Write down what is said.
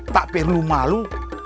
tak perlu malu